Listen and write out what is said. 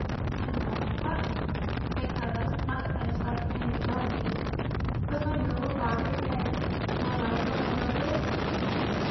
"And Juan my father's," said Carlos, not without a slight pang of jealousy. "Was my noble father, then, more like what my brother is?"